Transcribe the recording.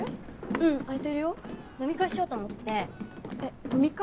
うん空いてるよ飲み会しようと思ってえっ飲み会？